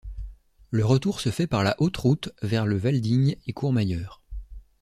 Le retour se fait par la Haute Route vers le Valdigne et Courmayeur.